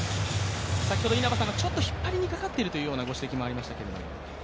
先ほど稲葉さんがちょっと引っ張りにかかっているというご指摘がありましたけれども。